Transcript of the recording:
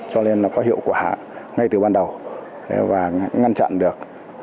cho nên nó có hiệu quả ngay từ ban đầu và ngăn chặn được